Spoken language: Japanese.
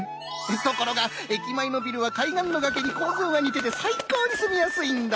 ところが駅前のビルは海岸の崖に構造が似てて最高に住みやすいんだ。